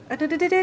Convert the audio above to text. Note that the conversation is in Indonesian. aduh aduh aduh